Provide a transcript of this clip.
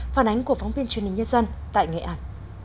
phản ánh của phóng viên truyền hình nhân dân tại nghệ an